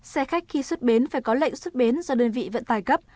xe khách khi xuất bến phải có lệnh xuất bến do đơn vị vận tải cấp